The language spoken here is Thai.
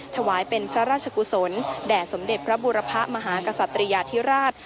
ถวายเป็นพระราชกุศลแด่สมเด็จพระบุรพะมหากษัตริยาธิราช